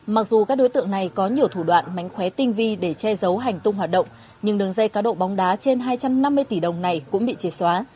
mặc dù các đối tượng này có nhiều thủ đoạn mánh khóe tinh vi để che giấu hành tung hoạt động nhưng đường dây cá độ bóng đá trên hai trăm năm mươi tỷ đồng này cũng bị triệt xóa